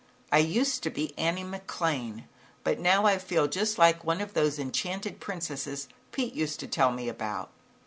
I used to be Annie McLane, but now I feel just like one of those enchanted princesses Pete used to tell me about."